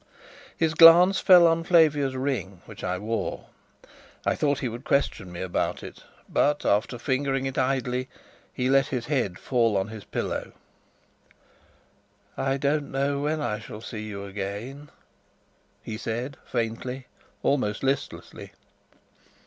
His glance fell on Flavia's ring, which I wore. I thought he would question me about it; but, after fingering it idly, he let his head fall on his pillow. "I don't know when I shall see you again," he said faintly, almost listlessly.